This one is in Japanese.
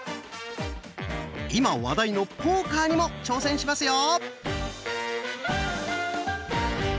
今話題のポーカーにも挑戦しますよ！